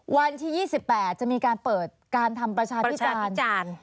วันที่๒๘จะมีการเปิดการทำประชาพิจารณ์